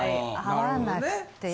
合わなくて。